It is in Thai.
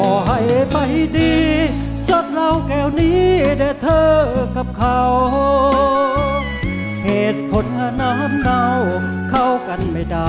โอ้ป๊าเดี๋ยวก่อน